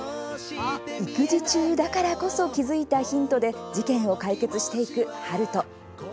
育児中だからこそ気付いたヒントで事件を解決していく春風。